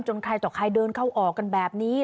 ใครต่อใครเดินเข้าออกกันแบบนี้